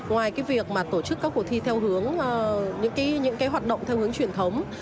ngoài việc tổ chức các cuộc thi theo hướng những hoạt động theo hướng truyền thống